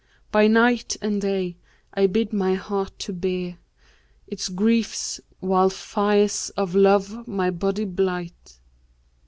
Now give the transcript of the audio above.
By night and day, I bid my heart to bear * Its griefs, while fires of love my body blight.'